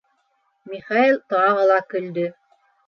Михаил тағы ла көлдө.